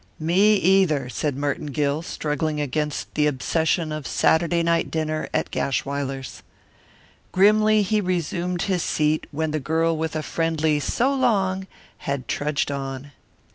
"Me either," said Merton Gill, struggling against the obsession of Saturday night dinner at Gashwiler's. Grimly he resumed his seat when the girl with a friendly "So long!" had trudged on.